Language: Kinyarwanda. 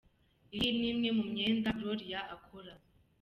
Iyi ni imwe mu myenda Gloria akora.